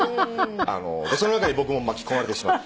その中に僕も巻き込まれてしまって。